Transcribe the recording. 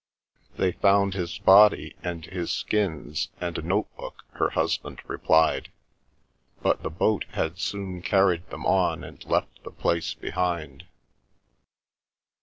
"They found his body and his skins and a notebook," her husband replied. But the boat had soon carried them on and left the place behind.